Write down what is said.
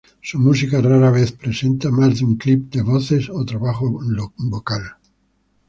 Su música rara vez presenta más de un clip de voces o trabajo vocal.